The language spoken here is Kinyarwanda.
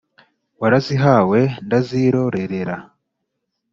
warazihawe ndazirorerera.